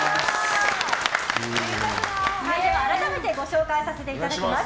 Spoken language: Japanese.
改めてご紹介させていただきます。